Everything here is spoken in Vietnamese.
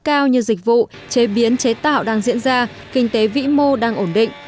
cao như dịch vụ chế biến chế tạo đang diễn ra kinh tế vĩ mô đang ổn định